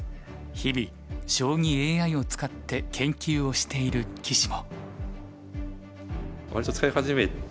日々将棋ＡＩを使って研究をしている棋士も。